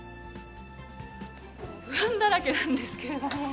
不安だらけなんですけれども。